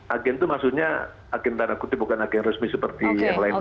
agen itu maksudnya agen tanah kutub bukan agen resmi seperti yang lain lain